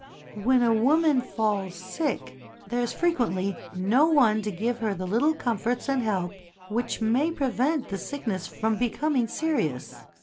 When a woman falls sick, there is frequently no one to give her the little comforts and help which may prevent the sickness from becoming serious.